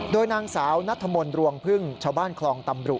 โดยนางสาวนัทธมนต์รวงพึ่งชาวบ้านคลองตำรุ